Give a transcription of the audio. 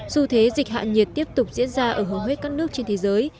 dù thế dịch hạ nhiệt tiếp tục diễn ra ở hầu hết các nước trên thế giới